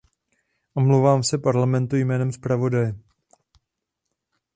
Omlouvám se Parlamentu jménem zpravodaje.